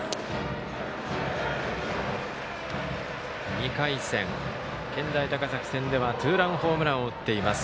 ２回戦、健大高崎戦ではツーランホームランを打っています。